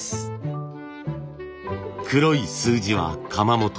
黒い数字は窯元。